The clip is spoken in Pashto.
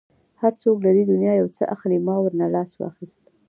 هر څوک له دې دنیا یو څه اخلي، ما ورنه لاس واخیست.